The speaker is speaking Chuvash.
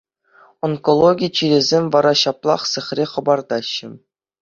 Онкологи чирӗсем вара ҫаплах сехре хӑпартаҫҫӗ.